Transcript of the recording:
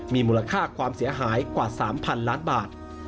มีมูลค่าความเสียหายกว่า๓๐๐๐ล้านบาท